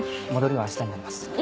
戻りは明日になります。